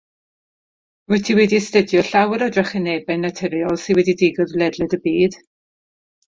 Rwyt ti wedi astudio llawer o drychinebau naturiol sy'n digwydd ledled y byd